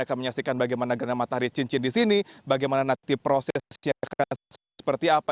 akan menyaksikan bagaimana gerhana matahari cincin di sini bagaimana nanti prosesnya akan seperti apa